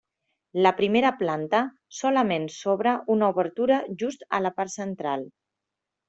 La primera planta solament s'obra una obertura just a la part central.